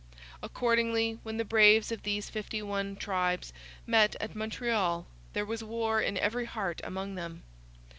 Accordingly, when the braves of these fifty one tribes met at Montreal, there was war in every heart among them.